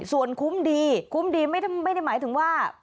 ส่วนคุ้มดีคุ้มดีไม่ได้หมายถึงว่า